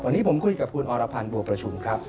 พี่เกียจก็ร่วมรายการกัน